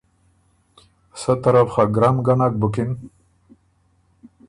سۀ طرف خه ګرم ګه نک بُکِن